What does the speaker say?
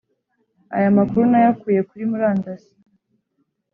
Aya makuru nayakuye kuri murandasi